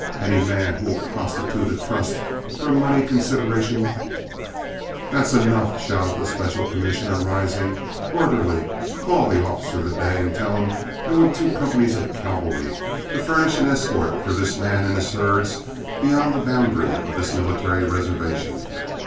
Any man who will prostitute a trust for a money consideration " "That's enough!" shouted the special commissioner, rising. "Orderly, call the officer of the day, and tell him I want two companies of cavalry to furnish an escort for this man and his herds beyond the boundaries of this military reservation."